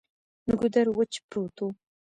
نو ګودر وچ پروت وو ـ